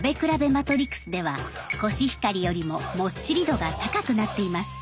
マトリクスではコシヒカリよりももっちり度が高くなっています。